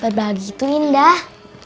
pak berbagi itu indah